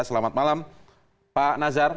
selamat malam pak nazar